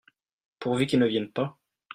Pourvu qu'ils ne viennent pas !